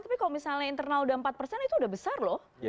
tapi kalau misalnya